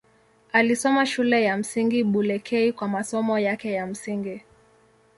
Alisoma Shule ya Msingi Bulekei kwa masomo yake ya msingi.